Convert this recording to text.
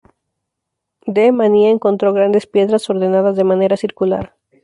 D. Mania encontró grandes piedras ordenadas de manera circular.